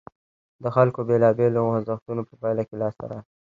د خلکو بېلابېلو خوځښتونو په پایله کې لاسته راغله.